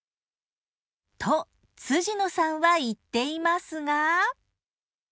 と野さんは言っていますが。